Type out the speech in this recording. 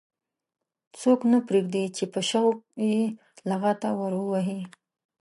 څوک نه پرېږدي چې په شوق کې یې لغته ور ووهي.